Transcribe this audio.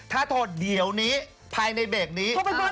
ถ้าโทษเดี๋ยวนี้ภายในเบรกนี้